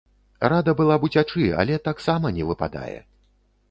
Рада была б уцячы, але таксама не выпадае.